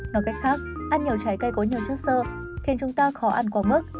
nói cách khác ăn nhiều trái cây có nhiều chất sơ khiến chúng ta khó ăn quá mức